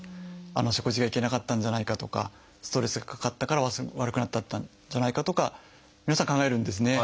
あの食事がいけなかったんじゃないかとかストレスがかかったから悪くなっちゃったんじゃないかとか皆さん考えるんですね。